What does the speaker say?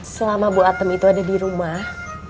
selama bu atem itu ada di rumah